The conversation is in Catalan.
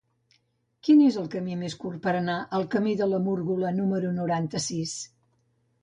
Quin és el camí més curt per anar al camí de la Múrgola número noranta-sis?